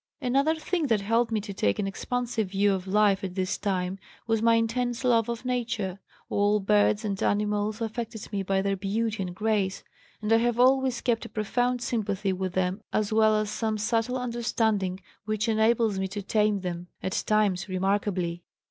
Another thing that helped me to take an expansive view of life at this time was my intense love of Nature. All birds and animals affected me by their beauty and grace, and I have always kept a profound sympathy with them as well as some subtle understanding which enables me to tame them, at times remarkably.